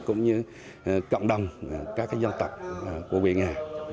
cũng như cộng đồng các dân tộc của huyện nga